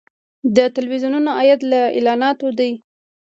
د تلویزیونونو عاید له اعلاناتو دی